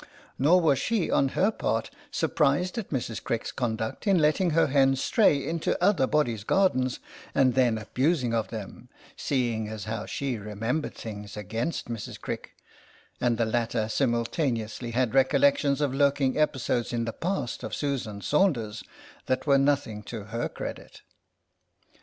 Nor was she, on her part, surprised at Mrs. Crick's conduct in letting her hens stray into other body's gardens, and then abusing of them, seeing as how she remembered things against Mrs. Crick — and the latter simultaneously had recollections of lurking episodes in the past of Susan Saunders that were nothing to her credit.